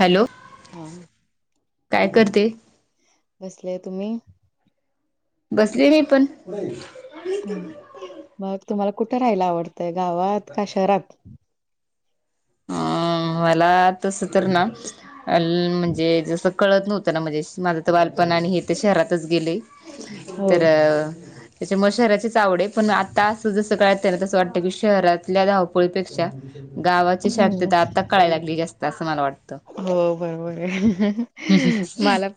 Hello, हा, काय आणि? करते बसले. तुम्ही? बसले मी पण. मग तुम्हाला कुठं राहायला आवडतंय गावात का शहरात? अं मला तस तर ना ल म्हणजे जस कळत नव्हतं ना म्हणजे माझं तर बालपण आणि हे ते शहरातच गेलय हो तर त्याच्या मुळ शहराचीच आवड आहे. पण आता जसं काळतय ना तसं वाटतं की शहरातल्या धावपळीपेक्षा गावाची हम्म शांतता आता कळायला लागली जास्त. असं मला वाट हो बरोबर आहे. मला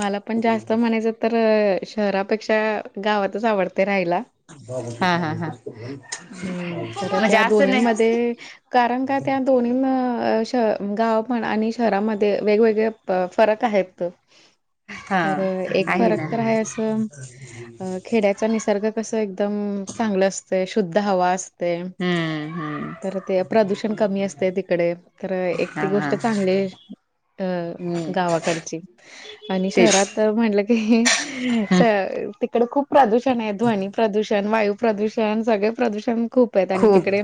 मला पण जास्त म्हणायचं तर शहरापेक्षा गावातच आवडतय राहायला. हां हां हां. [inaudible] हं. तर त्या दोन्हींमध्ये कारण का त्या दोन्हीन अ त गाव पण आणि शहरामध्ये वेगवेगळे फरक आहेत. हा तर एक फरक तर आहे असं, अं खेड्या चा निसर्ग कस एकदम चांगलं असतय. शुद्ध हवा असतय. हम्म हम्म तर ते प्रदूषण कमी असतय तिकडे. तर एक हा ती हा गोष्ट चांगलीये. तर हम्म गावाकडची आणि तेच शहरात तर म्हटलं की हम्म इकडे खूप प्रदूषण आहे, ध्वनी प्रदूषण, वायू प्रदूषण सगळे प्रदूषण खूप परत आणि तिकडे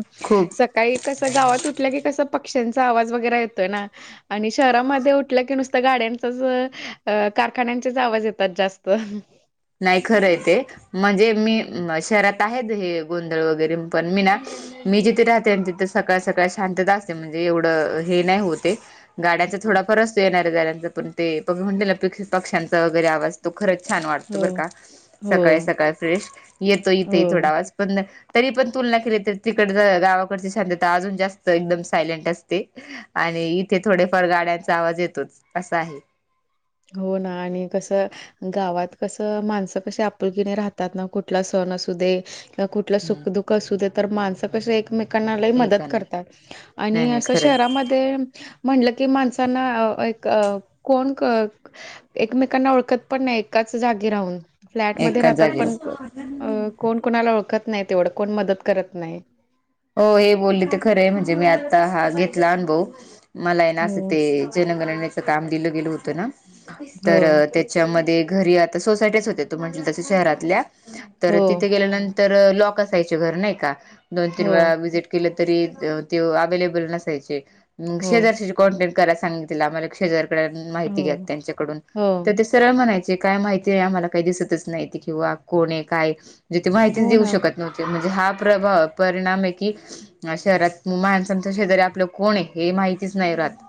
सकाळी कस गावात उठलं की कस पक्ष्यांचा आवाज वगैरे येतोय ना आणि शहरामध्ये उठलं की नुसतं गाड्यांचाच, कारखान्यांचेच आवाज येतात जास्त नाही खरं आहे ते म्हणजे मी शहरात आहे हे गोंधळ वगैरे पण मी ना मी जिथे राहते आणि तिथे सकाळ सकाळ शांतता असते. म्हणजे एवढं हे नाही होते. गाड्याचा हां. थोडा फार येणाऱ्या-जाणाऱ्याचं पण ते तुम्ही म्हणले ना पक्ष्यांचा वगैरे आवाज तो खरंच छान वाटतोय. हो बर का हो सकाळी सकाळी फ्रेश येतो इथे हो थोडा आवाज पण तरी पण तुलना केली तर तिकड गावाकडची शांतता अजून जास्त एकदम सायलेंट असते. आणि इथे थोडेफार गाड्यांचा आवाज येतोच अस आहे. हो ना आणि कसं गावात कस माणसं कशी आपुलकीने राहतात ना कुठला सण असू दे कुठलं हम्म सुख-दुख असू दे तर माणसं कसं एकमेकांना लई मदत एकांना करतात आणि नाही नाही असं खरं शहरामध्ये म्हंणलं की माणसांना एक कोण एकमेकांना ओळखत पण नाही. एकाच जागी राहून फ्लॅटमध्ये एकाच राहतात. पण जागेला अ कोण कोणाला ओळखत नाही तेवढं कोण मदत करत नाही. हो हे बोलली तर खरं आहे. म्हणजे मी आत्ता हा घेतला अनुभव मला आहे ना असं हो. ते जनगणनेच काम दिलं गेल होतं. ना तर त्या हो, त्याच्यामध्ये घरी आता सोसायटीच होत. त म्हट तस शहरातल्या तर हो, तिथे गेल्यानंतर तर लॉक असायचे घर नाही का? दोन तीन हो, वेळा वजिट तरी ते अवलेबल नसाय चे हो, कराेज माहिती हो, त्यांच्याडून हो, सरळ म्हणायचे काय माहिती आहे. आम्हाला काही दिसतच नाही किंवा कोणी काय जेथे माहितीच हो देऊ ना. शकत नव्हते. म्हणजे हा प्रभा परिणाम आहे की शहरात माणसांच्या शेजारी आपलं कोण आहे. हे माहितीच नाही राहात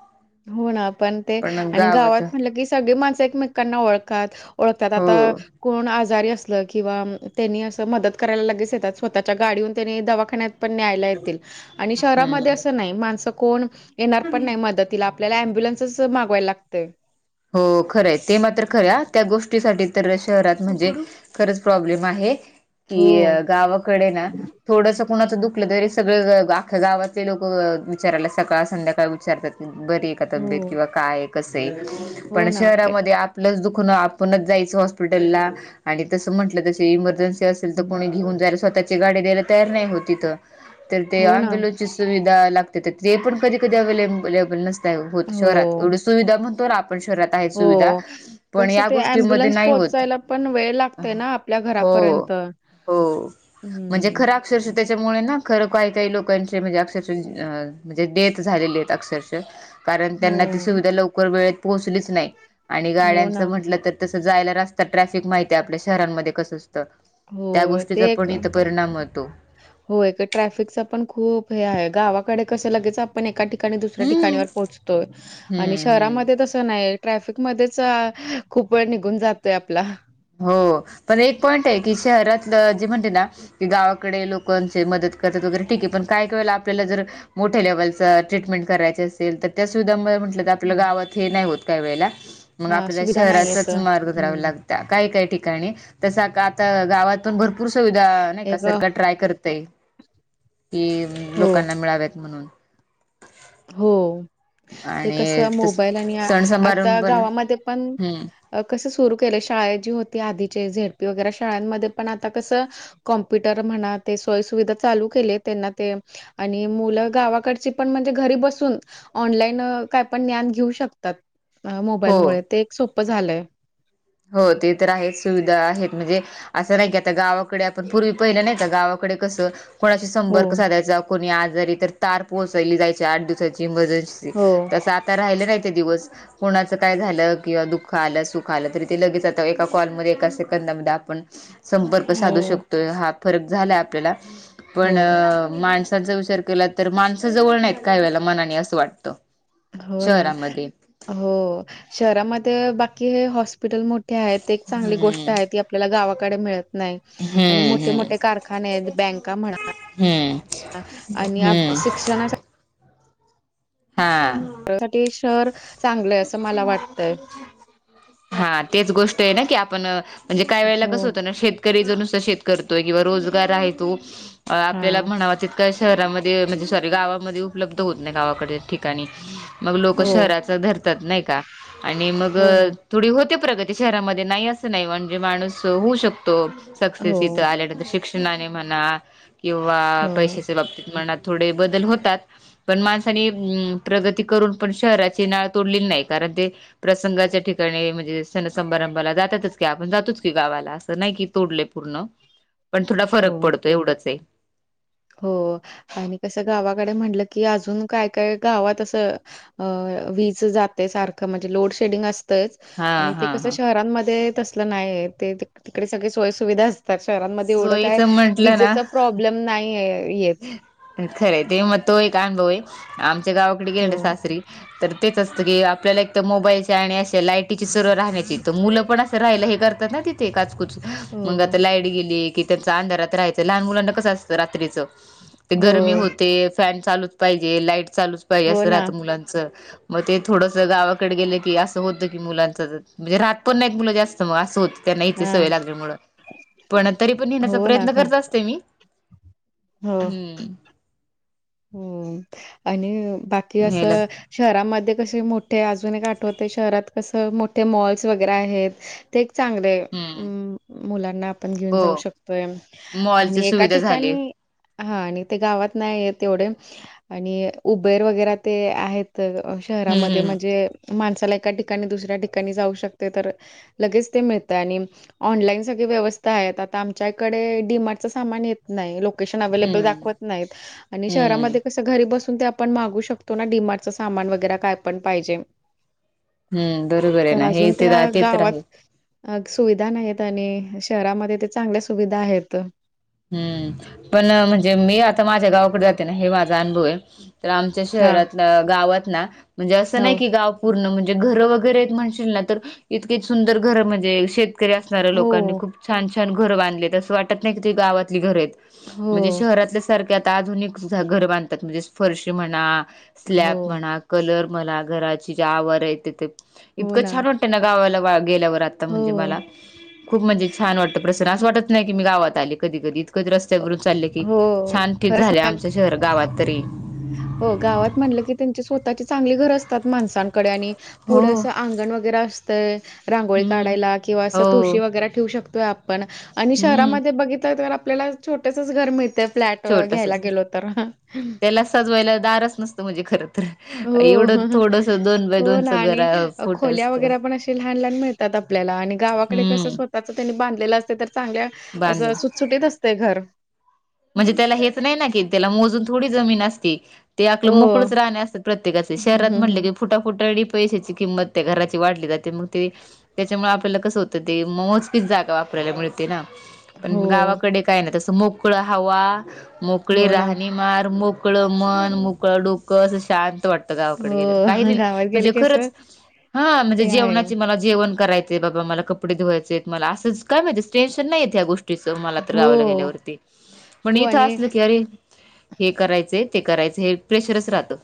हो ना पण ते.. आणि गावात म्हटलं की सगळी माणसं एकमेकांना ओळखात ओळखतात. हो आता कोण आजारी असलं किंवा त्यांनी असं मदत करायला लगेच येतात. स्वतःच्या गाडीून त्यांनी दवाखान्या ण न्यायला येतील आणि शहरामध्ये हम्म अस नाही माणसं कोण येणार पण नाही मदत तिला आपल्याला ॲम्ब्युलन्सच मागवायला लागतय. हो खरंय ते मात्र खर आहे. त्या गोष्टीसाठी तर शहरात म्हणजे खरंच प्रॉब्लेम आहे की हो, गावाकडे ना थोडंसं कुणाचं दुखलं तरी सगळे आख्या गावातले लोक विचाराला सकाळ संध्याकाळ विचारतात. बरी आहे. का तब्येत हो, किंवा काय कसं आहे. हो पण ना. ए शहरामध्ये प्लस दुखण आपणच जायचं. हॉस्पिटलला आणि तसं म्हटलं त इमर्जन्सी असेल तर हं. कोणी घेऊन जायला स्वतःची गाडी द्यायला तयार नाही होती. तर ते हो ना. आंब्युलंस सुविधा लागते. ते पण कधी कधी अवलेबलेबल नसत होत. शहरात हो, एवढी सुविधा म्हणतो शहरात आहेत हो सुविधा पण कस या ते गोष्टीमध्ये अम्बुलन्स नाही होत पोहोचायला पण वेळ लागत. ना आपल्या हो घरापर्यंत हो म्हणजे हं. खरा. अक्षरश त्याच्यामुळे ना खरं काय काही लोकांचे म्हणजे अक्षरश म्हणजे डेथ झालेले आहेत. अक्षरश कारण हो, त्यांना ती सुविधा लवकर वेळेत पोहोचलीच नाही आणि हो ना. गाड्यांचं म्हट तस जायलात ट्रॅफिक माहिती आपल्या शहरमध्ये कसं असत त्या हो, गोष्टीचा ते एक पण इथ परिणाम होतो. होय का ट्रॅफिकच पण खूप हे आहे. गावाकडे कसं लगेच ण एका ठिकाणी दुसऱ्या हम्म ठिकाणी पोहतोय. आणि हम्म हम्म शहरामध्ये नाही ट्रॅफिक मध्येच खूप वेळ निघून जातोय. आपला हो पण एक पॉईंट आहे. की शहरातलं जे म्हणते ना.. की गावाकडे लोकांचे मदत करत वगैरे ठीक आहे. पण काय कळेल आपल्याला जर..... मोठ्या लेवलच ट्रीटमेंट करायचे असेल तर त्या सुविधा म्हट... आपल्या हो. गावात हे नाही होत. काही वेळेला मग हां, आपल्याला सुविधा नाहीयेत. शहराचाच मार्ग करावा हं, लागत.... काही काही ठिकाणी तस आता गावात.. पण भरपूर सुविधा नाही का एक सरकार ट्राय करतयं, कि हो, लोकांना मिळाव्यात म्हणून..... हो ते कस आणि तस मोबाईल आणि सण आता समारंभ पण गावामध्ये पण..... हम्म कसं सुरू केलं शाळाजी होती आधीचे झेडपी वगैरे शाळांमध्ये पण आता कसं.... कॉम्प्युटर म्हणा ते सोयी सुविधा चालू केले. त्यांना ते, आणि मुलं गावाकडची पण म्हण.... घरी बसून ऑनलाईन काय पण ज्ञान घेऊ शकतात. हो मोबाईलमुळे..... सोपं झालंय.... हो ते तर आहेत सुविधा आहेत. म्हणजे.... असं नाही की आता गावाकडे आपण पूर्वी पहिलं नाही तर गावाकडे कसं..... कोणाशी हो, संपर्क साधायचा कोणी आजारी तर तार पोहोचयली जायचे, आठ दिवसाची मज... हो. तस आता राहिलं नाही. दिवस कोणाच काय झालं किंवा दुःख आलं सुख आलं तरी.... ते लगेच आ एका कॉलमध्ये एका सेकंदामध्ये आपण संपर्क साधू हो, शकतोय. हा.... फरक झाला आहे. आपल्याला पण..... हो. माणसांचा विचार केला. तर माणसा जवळ नाहीत काही वेळेला मनाने असं वाटतं..... हो ना शहरामध्ये हो शहरामध्ये बाकी हे हॉस्पिटल मोठ... ते आहे ते चांगली गोष्ट हम्म आहे ती आपल्याला गावाकडे मिळत नाही..... आणि हम्म मोठे हम्म मोठे कारखाने आहेत बँका म्हणा.. हम्म हम्म शिक्षणासाठी..... हा.... शहर.... चांगलंय असं मला वाटतंय... हा तेच गोष्ट आहे ना की आपण म्हणजे काय वेळेला कसं हो होतं ना शेत... शेतकरी नुस शेत करतोय किंवा रोजगार आहे तो हा आपल्याला म्हणावा शहरामध्ये.... ते म्हणजे गावामध्ये उपलब्ध होत नाही गावाकडे ठिकाणी लोक हो शहराचं..... नाही का आणि मग... हो ना थोडी होते प्रगती शहरामध्ये नाही असं नाही म्हणजे माणूस होऊ शकतो... सक्सेस हो इथं आल्यानंतर शिक्षणाने म्हणा किंवा हो पैशाच्या बाबतीत म्हणा... थोडे बदल होतात. पण माणसानी प्रगती करून पण शहराची नाळ..... तोडलेली नाही. कारण ते प्रसंगाच्या ठिकाणी म्हणजे सण समारंभाला जातातच. आपण जातोच.... गावाला अस नाही की तोडलय पूर्ण पण थोडा फरक हो पडतोय एवढच आहे.... हो आणि कस गावाकडे म्हणतल की अजून काय काय गावात अस.... अ वीज जाते सारखं म्हणजे लोड शेडिंग असते.... हा आणि ते हा कसं हा शहरांमध्ये त असलं नाही ते तिकडे सगळी सोय सुुविधा.... तर शहरांमध्ये एवढं काय सोयीच म्हंटलं ना विजेचा प्रॉब्लेम नाही येत... खरं ते मग तो एक अनुभव आहे आमच्या गावाकडे गेला हो ना सासरी..... तर तेच असतं की आपल्याला एक तर मोबाईलच्या आणि अशे लायटीची सरळ राहण्याची तर मुलं पण असत.... राहिला हे करतात ना, तिथे.... ते कातकुच हो मग आता लाईट गेली की त्यांच अंधारात राहायचं लहान मुलांना कसं असतं रात्रीच... ते हो गरमी होते फॅन चालूच पाहिजे लाईट चालूच पाहिजे हो असं ना राहतं मुलांच.... मग ते थोडंसं गावाकडे गेलं की असं होतं की मुलांच म्हणजे, राह त पण नाही मुलं जास्त मग असं होत त्यांना इथची हा सवय लागल्या, मूळ पण तरी पण नेण्याचा हो ना प्रयत्न खर करत असते मी.... हो हम्म... हो आणि बाकी न्यायला असं शहरामध्ये कसे मोठे अजून एक आठवते शहरात कसं मोठे मॉल्स वगैरे आहेत... ते एक चांगले, अ हम्म मुलांना आपण घेऊन, हो जाऊ शकतोय, मॉलची आणि एका सुविधा झाली ठिकाणी हा आणि ते गावात नाही आहेत, तेवढे आणि उबेर वगैरे ते आहेत, तर शहरामध्ये हम्म म्हणजे, माणसाला एका ठिकाणी, दुसऱ्या ठिकाणी, जाऊ शकते तर लगेच ते मिळत, आणि ऑनलाईन सगळी व्यवस्था आहेत, आता आमच्याकडे, डीमार्टच सामान येत. नाही, लोकेशन हम्म अवेलेबल हम्म दाखवत नाहीत, आणि हम्म शहरामध्ये कसं, घरी बसून ते आपण मागू शकतो ना, डिमार्टच सामान वगैरे काय पण पाहिजे, हम्म बरोबर आहे तर, ना हे अजून ते त्या ते तर आहे गावात अ सुविधा नाहीत आणि, शहरामध्ये ते चांगल्या सुविधा आहेत. हम्म, पण म्हणजे मी आता माझ्या गावाकडे जाते ना, हे माझा अनुभव आहे, तर आमच्या हां, शहरात गावात ना, म्हणजे असं नाही हो. की गाव पूर्ण म्हणजे, घरं वगैरे म्हणशील ना, तर इतकीे सुंदर घरं म्हणजे श शेतकरी असणाऱ्या लोकांनी, हो, खूप छान, छान, घर बांधले आहेत. असं वाटत नाही, की ते गावातली घर आहेत. हो, म्हणजे शहरातल्या सारखे, आता आधुनिक घर बांधतात, म्हणजे फरशी म्हणा, हो, स्लॅब म्हणा, कलर म्हणा, घराची जे आवार येत ते हो इतकं ना. छान वाट तेन, गवाला, गेल्यावर आता हो, म्हणजे मला, खूप म्हणजे छान वाटतं प्रसन असं वाटत नाही, की मी गावात आले कधी, कधी, रस्त्यावररून चालले की, हो. शांती च खरंच झाले आमच्या शहर गावात तरी, हो गावात म्हटलं की, त्यांची स्वतःची चांगली घर असतात, माणसांकडे आणि हो पुढेअसं अंगण वगैरे असतं, रांगोळी हम्म काढायला, किंवा हो असं तुशी वगैरे ठेवू शकतो आप पण, आणि हम्म शहरामध्ये बघितलं तर आपल्याला, छोटेसच घर मिळत. फ्लॅट घ्यायला छोटसच घर, गेलो, तर, त्याला सजवायला दारच नसत, म्हणजे खर तर हो, एवढं थोडस दोन बाय हो, ना दोनचं घर आणि फुट खोल्या असत वगैर पण, असे लहान, लहान मिळता. आपल्याला आणि, गावाकडे कस हम्म स्वतः त्याच, त्यांनी बांधलेलं असते तर, चांगल्या अस बांधून सुटसुटीत असतय घर. म्हणजे त्याला हेच नाही, ना की त्याला मोजून थोडी जमीन असती ते आपलं हो मोकळच राहणे, असतात प्रत्येकाचचे हं, शहरात हं, म्हटलं हं. की. फुटाफुटा, आणि पैशाची किंमत त्या घराची वाढली जाते, मग ते त्याच्यामुळे आपला कस होत ते, मोजकी च जागा वापरायला मिळते, ना पण हो, गावाकडे काय नाही तसं मोकळ हवा, मोकळी हो ना. राहणी, मार, मोकळ मन, मोकळं डोकं, शांत वाटत. गावा कडे हो गेल्या, गावात गेलं म्हणजे की असं खरंच हा म्हणजे ते आहे. जेवणाची म जेवण करायचे, बाबा मला कपडे, धुवायचे मला असंच काय माहितीे टेन्शन नाही येत या गोष्टी च मला तर गावाला हो. गेल्यावरती, पण हो इथं आणि असलं की आरे हे करायच, ते करायच, हे प्रेशरच राहतं.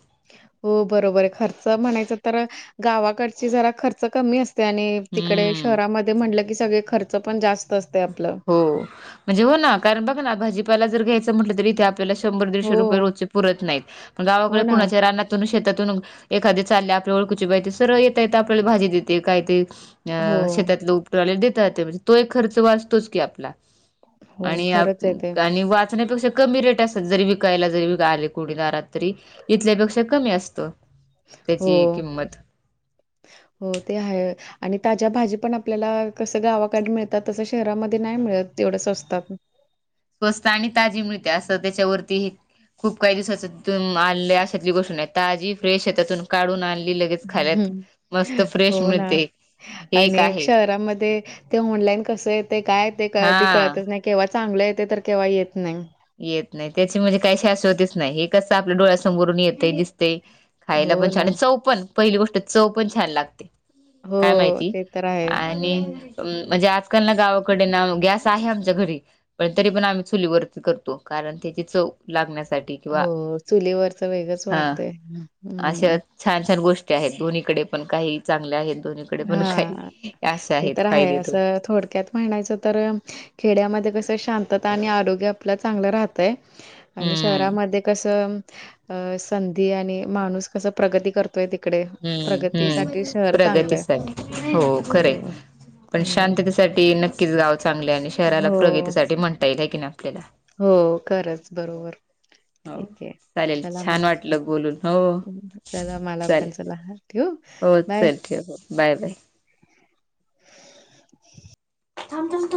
हो बरोबर आहे, खर्च म्हणायच तर, गावाकडची जरा खर्च कमी असत. त्याने तिकडे हम्म शहरामध्ये म्हटलं की, सगळे खर्च पण जास्त असते. आपलं. हो म्हणजे हो, ना कारण बघ ना भाजीपाला जर घ्यायचं, म्हटलं तरी ते आपल्या शंभर दीडशे रुपये हो. रोज पुरत नाहीतण, हो गावाकडे ना. कुच्या राना शेतातून एखादे चालले, आपल्या ओळखीची बाई सरळ येता, येत आपल्याला भाजी देते काय ते अ हो. शेतातला उपटरले देतात, म्हणजे तो एक खर्च वाचतोच की आपला, हो. आणि, खरंच आहे ते. आणि वाचण्यापेक्षा कमी रेट असतात, जरी विकायला जरी व आले कुणी दारात तरी. इथल्यापेक्षा कमी, असतो हो. त्याची किंमत, हो ते आहे. आणि ताज्या भाजी पण आपल्याला, कसं गावाकडे मिळतात तसं शहरामध्ये नाही, मिळत तेवढं स्वस्तात. स्वस्त आणि ताजी मिळते, असं त्याच्यावरती खूप काही दिवसाच [unintelligible] आणल्याशली गोष्ट नाही, ताजी फ्रेश आहे शेतातून काढून आणली लगेच खाल्यात हं. मस्त फ्रेश हो ना. मिळते. हे आणि एक आहे शहरामध्ये ते ऑनलाईन कस येत काय ते हा कधी कळातच नाही. केव्हा चांगलं येते तर केव्हा येत नाही. येत नाही त्याची म्हणजे काही शाश्वतीच नाही हे कसं आपल्या डोळ्यासमोरून येते दिसतंय. खायला हो पण छान ना. आणि चव पण पहिली गोष्ट चव पण छान लागते. काय हो माहिती ते तर आहे. आणि. हम्म म्हणजे आजकाल ना गावाकडे ना गॅस आहे आमच्या घरी पण तरी पण आम्ही चुलीवरच करतो. कारण त्याची चव लागण्यासाठी. किंवा हो चुलीवरच वेगच हा वाढतय अशा हम्म. छान छान गोष्टी आहेत दोन्हीकडे पण काही चांगल्या आहेत दोन्ही. हा ते तर आहे थोडे असं थोडक्यात. म्हणायच तर खेड्यामध्ये कस शांतता आणि आरोग्य आपलं चांगलं राहत. आणि हम्म शहरामध्ये कसं. अ संधी आणि माणूस कस प्रगती करतो. तोय तिकडे हम्म प्रगतीसाठी हम्म शहर चांगलंय. प्रगतीसाठी हो खरे पण हो, शांततेसाठी नक्कीच गाव चांगले आणि. शहराला हो, प्रगतीसाठी म्हणता येईलय हाय की नाही आपल्याला. हो खरच बरोबर. हो ठीक आहे चालेल चला मग छान वाटलं बोलून हो चला मला पण चालेल चला. ठेऊ हो बाय. चल ठेव बाय थांब थांब थांब.